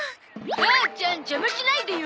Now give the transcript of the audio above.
母ちゃん邪魔しないでよ！